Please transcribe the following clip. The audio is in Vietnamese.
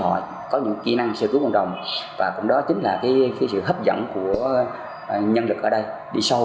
họ có những kỹ năng sơ cứu cộng đồng và cũng đó chính là cái sự hấp dẫn của nhân lực ở đây đi sâu